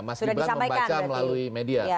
mas gibran membaca melalui media